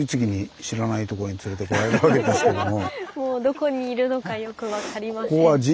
もうどこにいるのかよく分かりません。